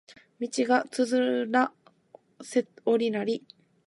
道がつづら折りになり